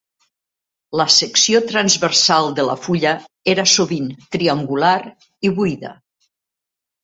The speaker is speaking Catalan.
La secció transversal de la fulla era sovint triangular i buida.